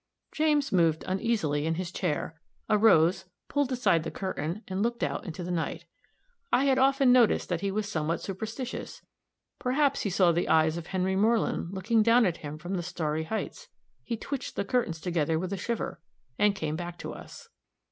James moved uneasily in his chair, arose, pulled aside the curtain, and looked out into the night. I had often noticed that he was somewhat superstitious; perhaps he saw the eyes of Henry Moreland looking down at him from the starry hights; he twitched the curtains together with a shiver, and came back to us.